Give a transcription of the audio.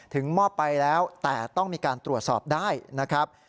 มอบไปแล้วแต่ต้องมีการตรวจสอบได้นะครับ